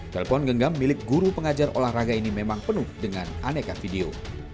telepon genggam milik guru pengajar olahraga ini memang penuh dengan aneka video